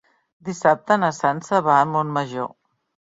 Dissabte na Sança va a Montmajor.